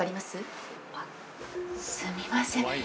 すみません。